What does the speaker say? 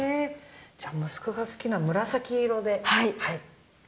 じゃあ息子が好きな紫色で。